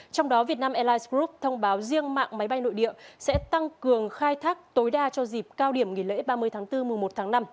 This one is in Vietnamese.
trong đó vietnam airlines group thông báo riêng mạng máy bay nội địa sẽ tăng cường khai thác tối đa cho dịp cao điểm nghỉ lễ ba mươi tháng bốn mùa một tháng năm